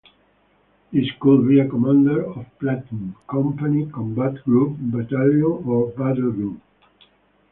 This could be a commander of platoon, company, combat group, battalion, or battle group.